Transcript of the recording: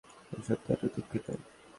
আমি সত্যিই অনেক দুঃখিত।